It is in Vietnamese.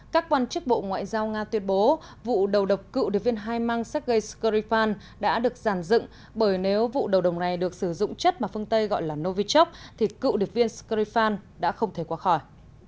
các quan chức bộ ngoại giao nga tuyên bố vụ đầu độc cựu địa viên hai mang sách gây skorifan đã được giàn dựng bởi nếu vụ đầu độc này được sử dụng chất mà phương tây gọi là novichok thì cựu địa viên skorifan đã không thể qua khỏi